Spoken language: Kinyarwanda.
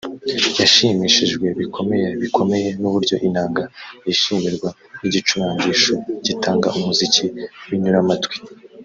yashimishijwe bikomeye bikomeye n’uburyo inanga yishimirwa nk’igicurangisho gitanga umuziki w’inyuramatwi